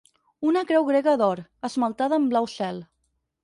Una creu grega d'or, esmaltada en blau cel.